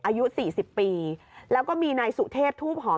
อายุ๔๐ปีแล้วก็มีในสุเทพธุพอร์ม